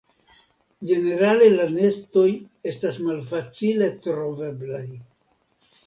Ĝenerale la nestoj estas malfacile troveblaj.